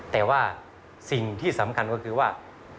แต่ว่าสิ่งที่สำคัญก็คือว่า